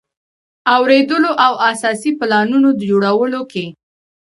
اوریدلو او اساسي پلانونو د جوړولو کې.